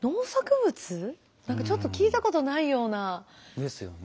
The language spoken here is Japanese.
何かちょっと聞いたことないような。ですよね。